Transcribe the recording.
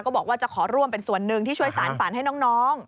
บอกว่าจะขอร่วมเป็นส่วนหนึ่งที่ช่วยสารฝันให้น้อง